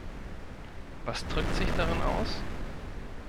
Was drückt sich darin aus?